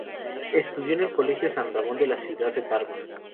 Estudió en el Colegio San Ramón de la ciudad de Tarma.